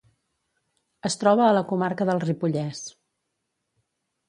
Es troba a la comarca del Ripollès.